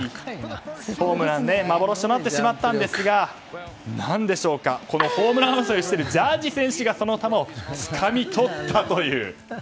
ホームランは幻となってしまったんですが何でしょうかこのホームラン争いをしているジャッジ選手がその球をつかみ取ったという。